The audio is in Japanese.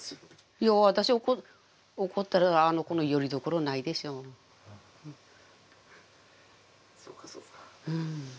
いや私怒ったらあの子のよりどころないでしょう。そうかそうか。